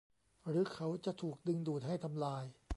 หรือเขาจะถูกดึงดูดให้ทำลาย